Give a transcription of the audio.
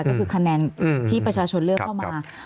ก็คือคะแนนที่ประชาชนเลือกเข้ามา